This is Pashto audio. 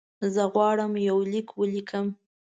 زه غواړم یو لیک ولیکم.